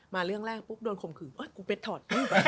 มาเรื่องแรกปุ๊บโดนคงคือเอ้อกูเป็ดถอด